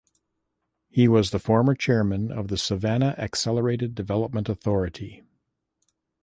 He was the former Chairman of the Savannah Accelerated Development Authority.